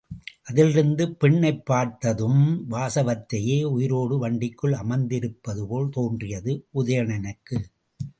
அதிலிருந்த, பெண்ணைப் பார்த்ததும் வாசவதத்தையே உயிரோடு வண்டிக்குள் அமர்ந்திருப்பதுபோல் தோன்றியது உதயணனுக்கு.